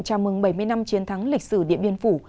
chào mừng bảy mươi năm chiến thắng lịch sử điện biên phủ